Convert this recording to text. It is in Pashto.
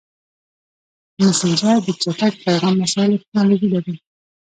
مسېنجر د چټک پیغام رسولو ټکنالوژي لري.